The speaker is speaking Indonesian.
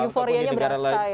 euforianya berasa ya